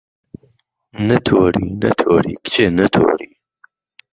نهتۆری نهتۆری کچێ نهتۆری